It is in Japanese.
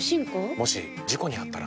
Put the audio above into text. もし事故にあったら？